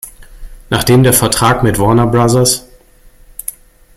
Nachdem der Vertrag mit Warner Bros.